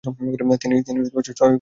তিনি ছয় উইকেট দখল করেন।